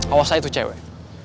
awas aja tuh cewek